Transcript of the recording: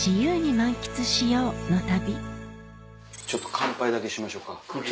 乾杯だけしましょか。